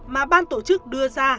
mà ban tổ chức đưa ra